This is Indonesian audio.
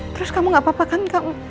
terus kamu nggak apa apa kan